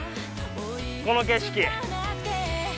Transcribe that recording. この景色。